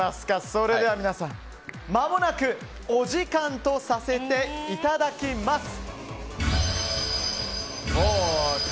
それでは皆さん、まもなくお時間とさせていただきます。